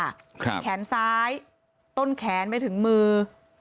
แขนซ้ายต้นแขนไปถึงมือ